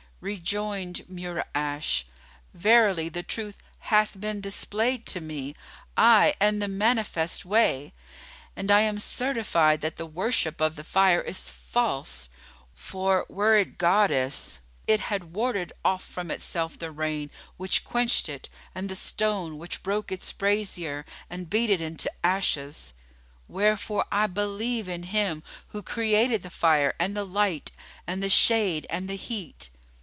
Rejoined Mura'ash, "Verily the Truth hath been displayed to me, ay, and the manifest way, and I am certified that the worship of the fire is false; for, were it goddess, it had warded off from itself the rain which quenched it and the stone which broke its brazier and beat it into ashes. Wherefore I believe in Him Who created the fire and the light and the shade and the heat.